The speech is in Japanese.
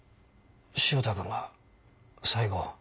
汐田君が最後。